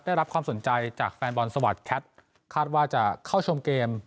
ได้รับความสนใจจากแฟนบอลสวัสดิแคทคาดว่าจะเข้าชมเกม